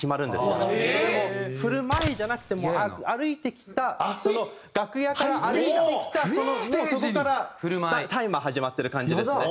それも振る前じゃなくても歩いてきた楽屋から歩いてきたそのもうそこからタイマー始まってる感じですね。